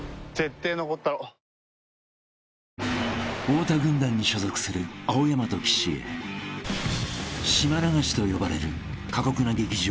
［太田軍団に所属する青山と岸へ島流しと呼ばれる過酷な劇場